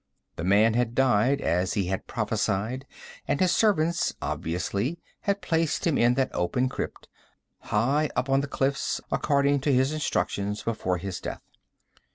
The man had died, as he had prophesied, and his servants, obviously, had placed him in that open crypt, high up on the cliffs, according to his instructions before his death.